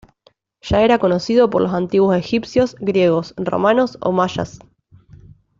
Ya era conocido por los antiguos egipcios, griegos, romanos o mayas.